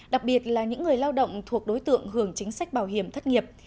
đặc biệt là những người lao động thuộc đối tượng hưởng chính sách bảo hiểm thất nghiệp